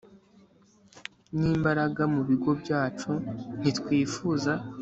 nimbaraga mu bigo byacu Ntitwifuza